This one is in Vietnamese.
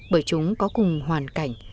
bởi chúng có cùng hoàn cảnh